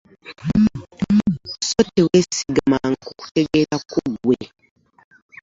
So teweesigamanga ku kutegeera kwo ggwe: